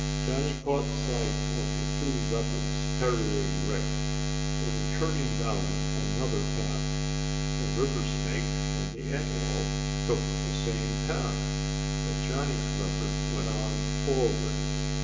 Johnny caught sight of the two leopards carrying Rick. They were turning down another path. The river snake and the antelope took the same path. But Johnny's leopard went on forward.